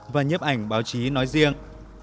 và nhấp ảnh báo chí nói riêng